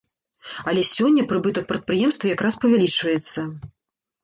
Але сёння, прыбытак прадпрыемства якраз павялічваецца.